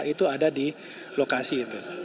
itu ada di lokasi itu